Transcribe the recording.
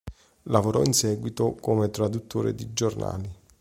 Lavorò in seguito come traduttore di giornali.